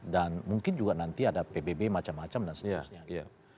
dan mungkin juga nanti ada pbb macam macam dan seterusnya